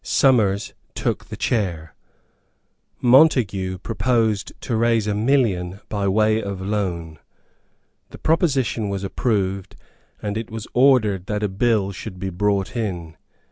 Somers took the chair. Montague proposed to raise a million by way of loan; the proposition was approved; and it was ordered that a bill should be brought in.